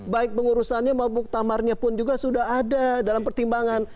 baik pengurusannya maupun muktamarnya pun juga sudah ada dalam pertimbangan